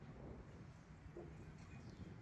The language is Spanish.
Emelec como ganador de la Segunda etapa.